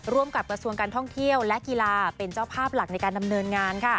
ร่วมกับกระทรวงการท่องเที่ยวและกีฬาเป็นเจ้าภาพหลักในการดำเนินงาน